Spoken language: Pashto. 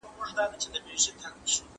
سياستپوهنه د بشري ژوند خورا مهمه برخه ده.